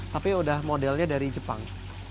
tapi udah modelnya dari jepang